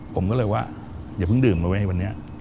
ผมก็เลยว่าอย่าเพิ่งดื่มมาเว้ยวันนี้